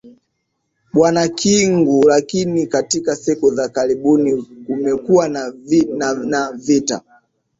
bwana kingu lakini katika siku za karibuni kumekuwa na na vita